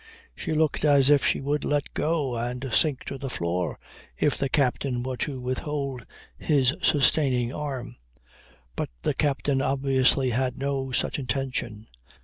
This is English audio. She looked as if she would let go and sink to the floor if the captain were to withhold his sustaining arm. But the captain obviously had no such intention.